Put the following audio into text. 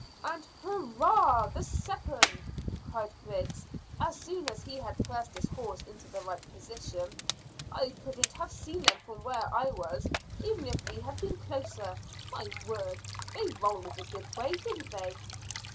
"And hurrah the second!" cried Griggs, as soon as he had pressed his horse into the right position. "I couldn't have seen them from where I was even if we had been closer. My word! They rolled a good way, didn't they?"